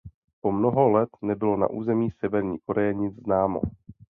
Po mnoho let nebylo na území Severní Koreje nic známo.